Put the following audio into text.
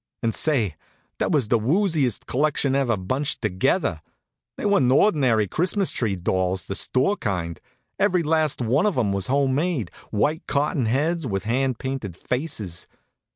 And say, that was the wooziest collection ever bunched together! They wa'n't ordinary Christmas tree dolls, the store kind. Every last one of 'em was home made, white cotton heads, with hand painted faces.